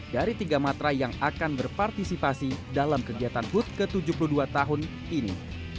dan juga para matra yang akan berpartisipasi dalam kegiatan hud ke tujuh puluh dua tahun ini